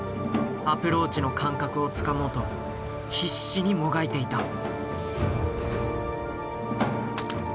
アプローチの感覚をつかもうと必死にもがいていた。